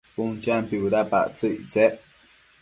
Cun champi bëdapactsëc ictsec